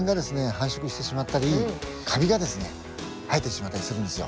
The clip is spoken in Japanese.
繁殖してしまったりカビがですね生えてしまったりするんですよ。